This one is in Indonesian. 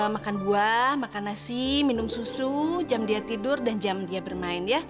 makan buah makan nasi minum susu jam dia tidur dan jam dia bermain ya